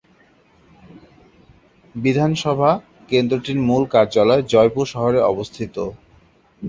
বিধানসভা কেন্দ্রটির মূল কার্যালয় জয়পুর শহরে অবস্থিত।